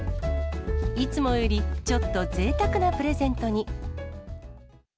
いつもよりちょっとぜいたくなプレゼントに。